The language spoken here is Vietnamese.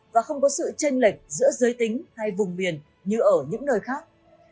và không có sự tranh lệch giữa giới tính hay vùng miền như ở những nơi khác